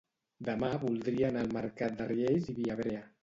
Demà voldria anar al mercat de Riells i Viabrea